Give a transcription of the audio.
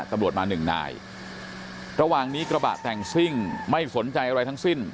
ตำรวจมาหนึ่งนายระหว่างนี้กระบะแต่งซิ่งไม่สนใจอะไรทั้งสิ้น